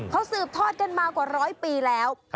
เขาสืบทอดกันมากว่าร้อยปีแล้ว